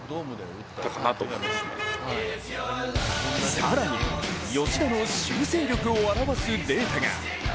更に吉田の修正力を表すデータが。